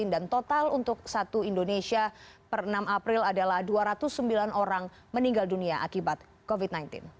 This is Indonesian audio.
dan total untuk satu indonesia per enam april adalah dua ratus sembilan orang meninggal dunia akibat covid sembilan belas